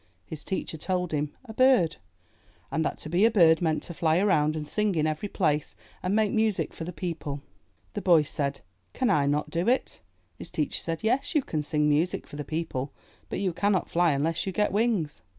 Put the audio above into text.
*' His teacher told him, "A bird," and that to be a bird meant to fly around and sing in every place, and make music for the people. The boy said, "Can I not do it?" His teacher said, "Yes, you can sing music for the people, but you can not fly unless you get wings."